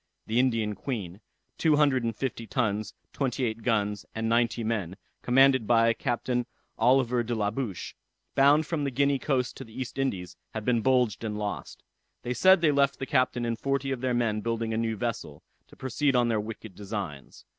the Indian Queen, two hundred and fifty tons, twenty eight guns, and ninety men, commanded by Captain Oliver de la Bouche, bound from the Guinea coast to the East Indies, had been bulged and lost. They said they left the captain and forty of their men building a new vessel, to proceed on their wicked designs.